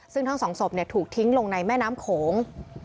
ซึ่งทั้งสองศพถูกทิ้งลงในแม่น้ำโขง